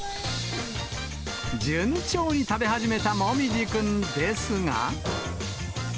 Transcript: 順調に食べ始めたモミジくんですが。